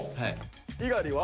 猪狩は？